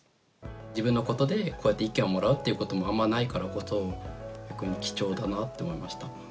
自分のことでこうやって意見をもらうということもあんまないからこそ逆に貴重だなって思いました。